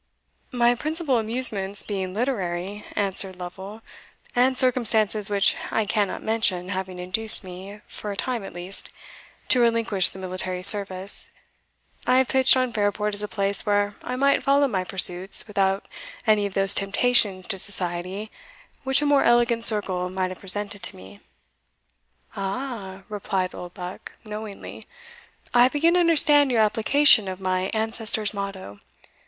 "My principal amusements being literary," answered Lovel, "and circumstances which I cannot mention having induced me, for a time at least, to relinquish the military service, I have pitched on Fairport as a place where I might follow my pursuits without any of those temptations to society which a more elegant circle might have presented to me." "Aha!" replied Oldbuck, knowingly, "I begin to understand your application of my ancestor's motto.